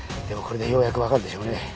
でもこれでようやく分かるでしょうね。